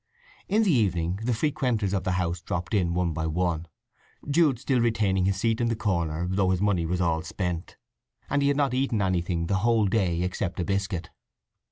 In the evening the frequenters of the house dropped in one by one, Jude still retaining his seat in the corner, though his money was all spent, and he had not eaten anything the whole day except a biscuit.